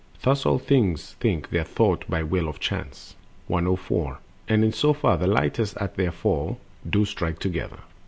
103. Thus all things think their though[t] by will of Chance. 104. And in so far the lightest at their fall Do strike together....